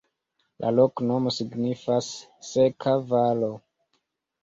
La loknomo signifas: seka valo.